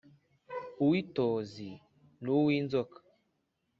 uwintózi n' uw' inzóka